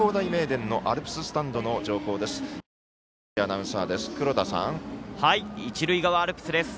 電のアルプススタンドの情報です。